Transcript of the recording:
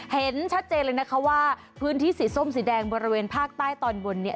เห็นชัดเจนเลยนะคะว่าพื้นที่สีส้มสีแดงบริเวณภาคใต้ตอนบนเนี่ย